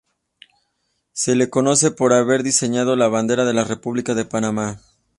Se le conoce por haber diseñado la bandera de la República de Panamá.